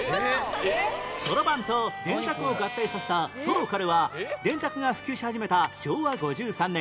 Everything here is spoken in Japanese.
そろばんと電卓を合体させたソロカルは電卓が普及し始めた昭和５３年